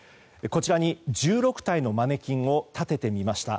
こちらに１６体のマネキンを立ててみました。